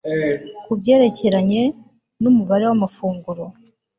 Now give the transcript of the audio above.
Ku byerekeranye numubare wamafunguro